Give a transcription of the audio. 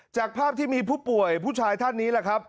จากภาพที่มีผู้ป่วยผู้ชายท่านนี้แหละครับ